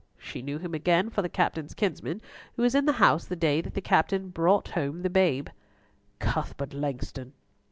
She knew him again for the captain's kinsman who was in the house the day that the captain brought home the babe." "Cuthbert Langston!"